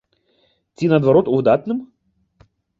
Ці, наадварот, у выдатным?